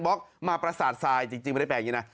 ที่ท่านมาแซนบ๊อกมาปราศาสตร์ทรายจริงไม่ได้แปลแบบงี้น่ะ